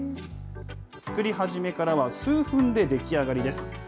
作り始めからは数分で出来上がりです。